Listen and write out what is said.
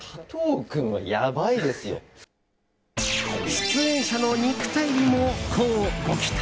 出演者の肉体美もこうご期待？